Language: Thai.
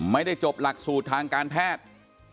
ไม่ได้จบหลักสูตรทางการแพทย์